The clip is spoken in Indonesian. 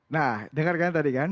nah dengarkan tadi kan